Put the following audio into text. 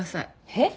えっ！？